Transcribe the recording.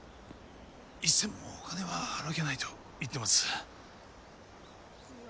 一銭もお金は払う気はないと言ってます。